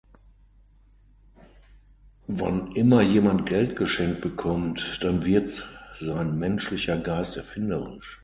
Wann immer jemand Geld geschenkt bekommt, dann wird sein menschlicher Geist erfinderisch.